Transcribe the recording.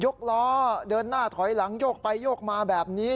กล้อเดินหน้าถอยหลังโยกไปโยกมาแบบนี้